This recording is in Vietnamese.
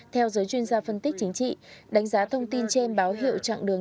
theo giới chuyên gia phân tích chính trị đánh giá thông tin trên báo hiệu trạng đường